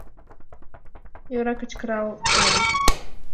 Йӧра, кычкырал толам.